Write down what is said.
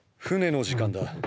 船の時間だ。